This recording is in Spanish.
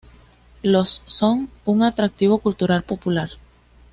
Los son un atractivo cultural popular.